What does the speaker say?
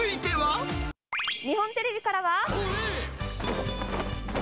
日本テレビからは。